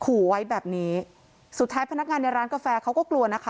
ขู่ไว้แบบนี้สุดท้ายพนักงานในร้านกาแฟเขาก็กลัวนะคะ